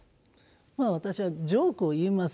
まあ私はジョークを言います。